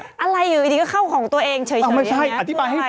อะไรอยู่ดีก็เข้าของตัวเองเฉยไม่ใช่อธิบายให้ฟัง